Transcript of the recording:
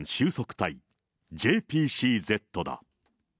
帯・ＪＰＣＺだ。